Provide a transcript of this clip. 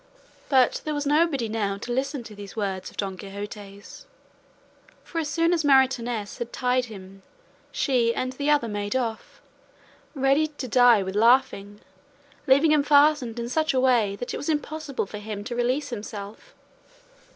But there was nobody now to listen to these words of Don Quixote's, for as soon as Maritornes had tied him she and the other made off, ready to die with laughing, leaving him fastened in such a way that it was impossible for him to release himself.